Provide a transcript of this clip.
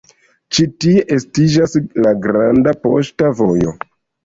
Ĉi tie estiĝas la Granda Poŝta Vojo.